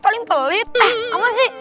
paling pelit eh aman sih